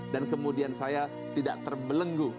dan kemudian saya tidak terbelenggu